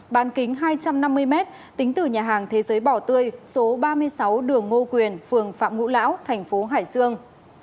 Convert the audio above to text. bán kính hai trăm năm mươi m tính từ nhà hàng thế giới bỏ tươi số ba mươi sáu đường ngô quyền phường phạm ngũ lão thành phố hải dương